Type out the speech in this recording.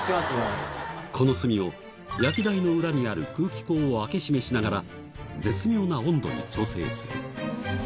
この炭を焼き台の裏にある空気口を開け閉めしながら、絶妙な温度に調整する。